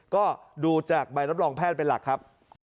ก็ดูจากใบรับรองแพทย์เป็นหลักครับ